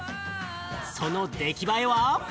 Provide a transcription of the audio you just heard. その出来栄えは？